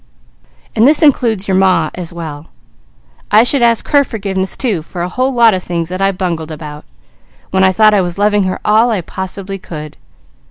And this includes your Ma as well. I should ask her forgiveness too, for a whole lot of things that I bungled about, when I thought I was loving her all I possibly could.